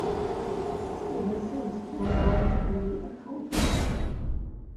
It has since gone on to be a cult classic.